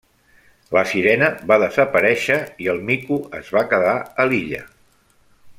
La sirena va desaparèixer i el mico es va quedar a l'illa.